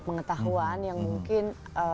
pengetahuan yang mungkin